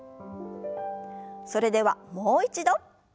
それではもう一度。